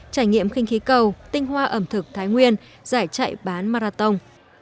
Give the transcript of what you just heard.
trải nghiệm khinh khí cầu tinh hoa ẩm thực thái nguyên giải chạy bán marathon